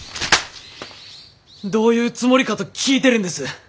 どういうつもりかと聞いてるんです！